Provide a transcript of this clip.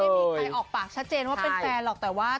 ไม่มีใครออกปากชัดเจนว่าเป็นแฟนหรอกแต่ว่า